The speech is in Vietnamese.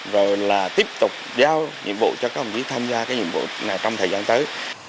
rồi là tiếp tục giao nhiệm vụ cho các đồng chí tham gia cái nhiệm vụ này trong thời gian tới